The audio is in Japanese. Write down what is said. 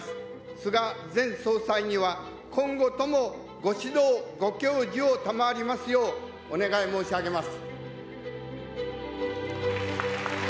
菅前総裁には今後ともご指導、ご教示を賜りますようお願い申し上げます。